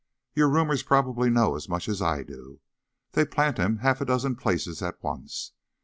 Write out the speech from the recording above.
Your rumors probably know as much as I do. They plant him half a dozen places at once.